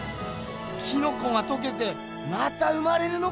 キノコがとけてまた生まれるのかぁ！